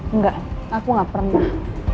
enggak aku gak pernah